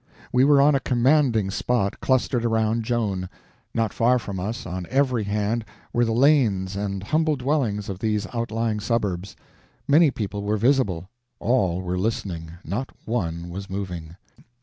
We were on a commanding spot, clustered around Joan. Not far from us, on every hand, were the lanes and humble dwellings of these outlying suburbs. Many people were visible—all were listening, not one was moving.